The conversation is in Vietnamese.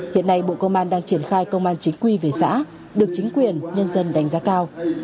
hiện nay bộ công an đang triển khai công an chính quy về xã được chính quyền nhân dân đánh giá cao